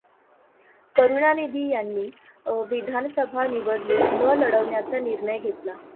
करुणानिधी यांनी विधानसभा निवडणूक न लढवण्याचा निर्णय घेतला.